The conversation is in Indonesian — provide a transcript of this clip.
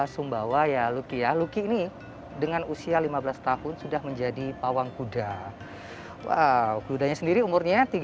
sumbawa ya luki ya luki ini dengan usia lima belas tahun sudah menjadi pawang kuda wow kudanya sendiri umurnya